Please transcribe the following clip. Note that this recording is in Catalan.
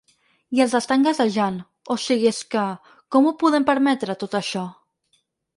I els estan gasejant, o sigui és que: com ho podem permetre, tot això?